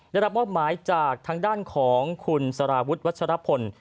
ได้รับมอบหมายจากทางด้านของคุณสารวุฒิวัชรพล